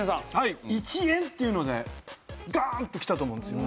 １円っていうのでガーンときたと思うんですよ。